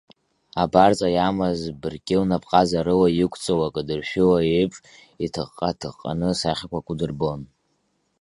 Абарҵа иамаз быркьыл напҟазарыла иқәҵоу акыдыршәыла аиԥш, иҭыҟҟа-ҭыҟҟаны, сахьақәак удырбон.